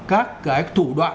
các cái thủ đoạn